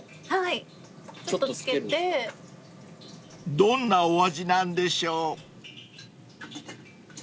［どんなお味なんでしょう？］